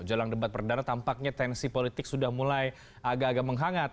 jelang debat perdana tampaknya tensi politik sudah mulai agak agak menghangat